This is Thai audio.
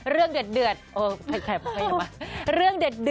เรื่องเดือด